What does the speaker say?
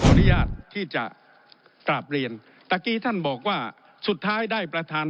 อนุญาตที่จะกราบเรียนตะกี้ท่านบอกว่าสุดท้ายได้ประธาน